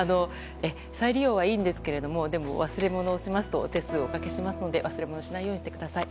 再利用はいいんですがでも忘れ物をしますとお手数をおかけしますので忘れ物しないようにしてください。